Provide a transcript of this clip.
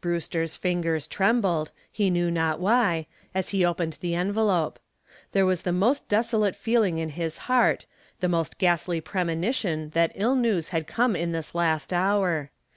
Brewster's fingers trembled, he knew not why, as he opened the envelope. There was the most desolate feeling in his heart, the most ghastly premonition that ill news had come in this last hour.